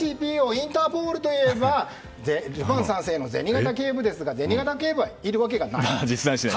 インターポールといえば「ルパン三世」の銭形警部ですが銭形警部がいるわけはないんです。